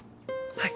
はい。